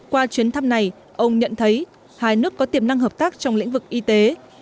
qua chuyến thăm này ông nhận thấy hai nước có tiềm năng hợp tác trong lĩnh vực y tế